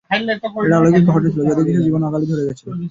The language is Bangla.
এটা অলৌকিক ঘটনা ছিল, যদিও কিছু জীবন অকালে ঝরে গেছে।